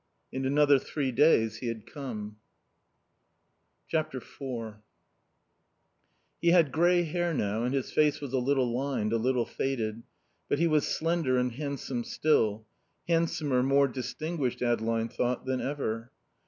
In another three days he had come. iv He had grey hair now and his face was a little lined, a little faded, but he was slender and handsome still handsomer, more distinguished, Adeline thought, than ever.